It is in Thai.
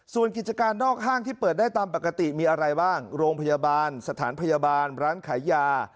ส่วนกิจการนอกห้างที่เปิดได้ตามปกติมีอะไรบ้างโรงพยาบาลสถานพยาบาลร้านขายยา